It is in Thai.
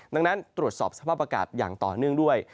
ดังนั้นตรวจสอบสภาพอากาศอย่างต่อเนื่องด้วย